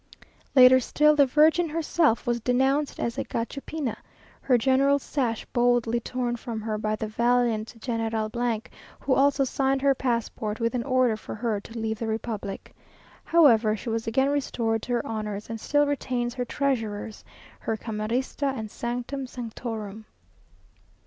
Later still, the Virgin herself was denounced as a Gachupina! her general's sash boldly torn from her by the valiant General , who also signed her passport, with an order for her to leave the republic. However, she was again restored to her honours, and still retains her treasurers, her camarista, and sanctum sanctorum.